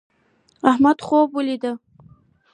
احمد خوب ولید